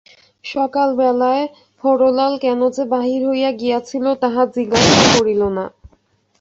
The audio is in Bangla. সকালবেলায় হরলাল কেন যে বাহির হইয়া গিয়াছিল তাহা জিজ্ঞাসাও করিল না।